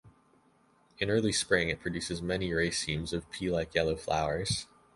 In early spring it produces many racemes of pea-like yellow flowers.